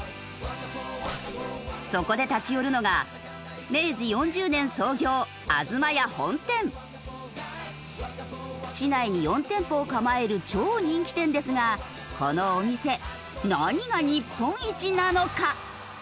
そこで立ち寄るのが市内に４店舗を構える超人気店ですがこのお店何が日本一なのか？